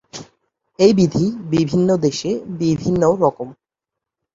এই বিধি বিভিন্ন দেশে বিভিন্ন রকম।